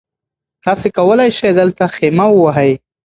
تاسي کولای شئ دلته خیمه ووهئ.